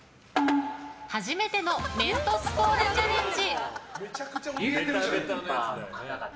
初めてのメントスコーラチャレンジ。